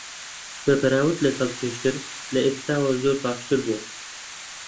بە بەراورد لەگەڵ پێشتر، لە ئێستاوە زۆر باشتر بووە.